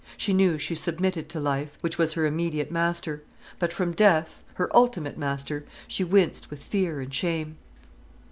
She knew she submitted to life, which was her immediate master. But from death, her ultimate master, she winced with fear and shame.